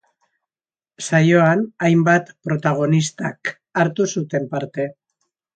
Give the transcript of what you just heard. Saioan hainbat protagonistak hartu zuten parte.